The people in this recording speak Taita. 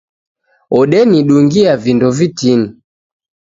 Odenidungia vindo vitini